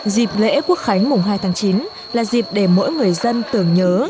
dịp lễ quốc khánh mùng hai tháng chín là dịp để mỗi người dân tưởng nhớ